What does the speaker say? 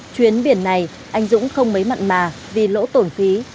chuyến biển này anh dũng không mấy mặn mà vì lỗ tổn khí